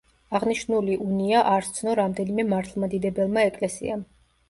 აღნიშნული უნია არ სცნო რამდენიმე მართლმადიდებელმა ეკლესიამ.